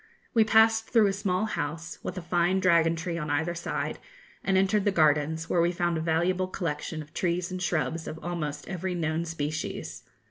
We passed through a small house, with a fine dragon tree on either side, and entered the gardens, where we found a valuable collection of trees and shrubs of almost every known species.